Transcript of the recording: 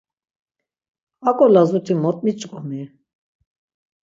Aǩo lazut̆i mot miç̌ǩomi?